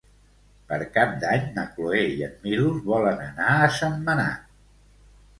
Per Cap d'Any na Cloè i en Milos volen anar a Sentmenat.